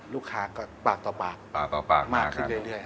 ลูกค้าก็ปากต่อปากมากขึ้นเลย